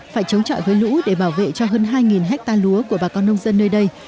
phải chống chọi với lũ để bảo vệ cho hơn hai hectare lúa của bà con nông dân nơi đây